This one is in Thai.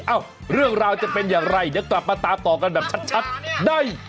เรื่องราวจะเป็นอย่างไรเดี๋ยวกลับมาตามต่อกันแบบชัดได้